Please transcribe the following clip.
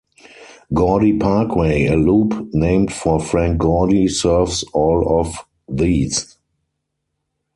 Gordy Parkway, a loop named for Frank Gordy, serves all of these.